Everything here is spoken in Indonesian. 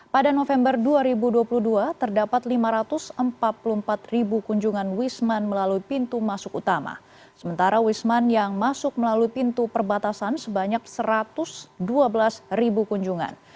pada november dua ribu dua puluh dua terdapat lima ratus empat puluh empat ribu kunjungan wisman melalui pintu masuk utama sementara wisman yang masuk melalui pintu perbatasan sebanyak satu ratus dua belas kunjungan